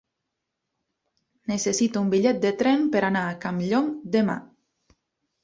Necessito un bitllet de tren per anar a Campllong demà.